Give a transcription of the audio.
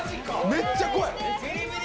めっちゃ怖い！